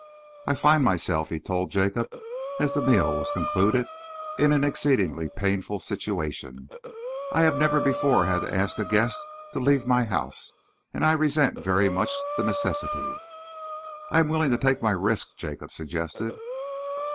"I find myself," he told Jacob, as the meal was concluded, "in an exceedingly painful situation. I have never before had to ask a guest to leave my house, and I resent very much the necessity." "I am willing to take my risk," Jacob suggested.